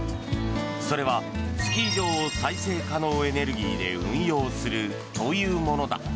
それはスキー場を再生可能エネルギーで運用するというものだ。